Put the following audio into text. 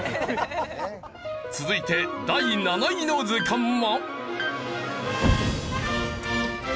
続いて第７位の図鑑は。